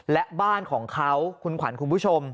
และบ้านของเขาคุณขวัญคุณผู้ชม